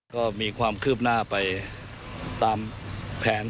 ก็มีความคืบหน้าไปตามแผน